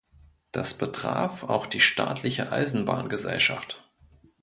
Das betraf auch die staatliche Eisenbahngesellschaft.